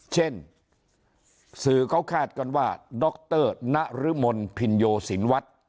เช่นสื่อเขาคาดกันว่าดรนรมนพินโยสินวัฒน์